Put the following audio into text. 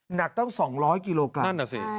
หนักต้อง๒๐๐กิโลกรัม